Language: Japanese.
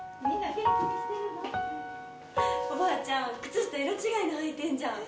おばあちゃん、靴下色違いの履いてんじゃん！